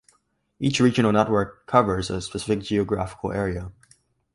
Each regional network covers a specific geographical area.